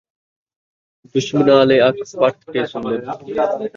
دشمناء آلے اکھ پٹ کے سمدِن